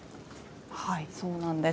そうなんです。